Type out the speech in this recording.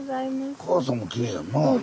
おかあさんもきれいやんなあ。